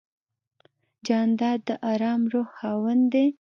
جانداد د آرام روح خاوند دی.